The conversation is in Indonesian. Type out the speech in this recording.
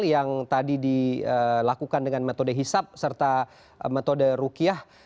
yang tadi dilakukan dengan metode hisap serta metode rukiah